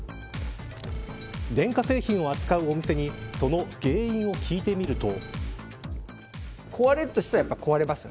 電化製品を扱うお店にその原因を聞いてみると。